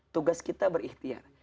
tugas kita berikhtiar